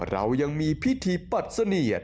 เรายังมีพิธีปัดเสนียด